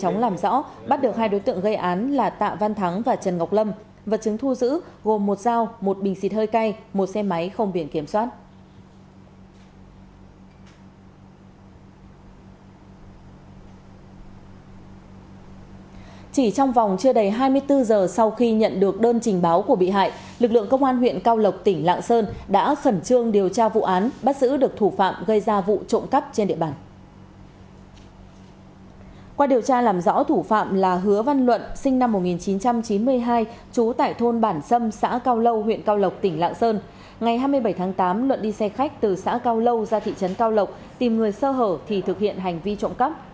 ngày hai mươi bảy tháng tám luận đi xe khách từ xã cao lâu ra thị trấn cao lộc tìm người sơ hở thì thực hiện hành vi trộm cắp